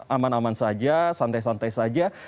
aman aman saja santai santai saja